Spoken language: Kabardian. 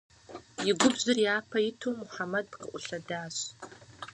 И губжьыр япэ иту Мухьэмэд къыӏулъэдащ.